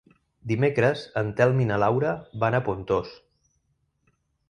Dimecres en Telm i na Laura van a Pontós.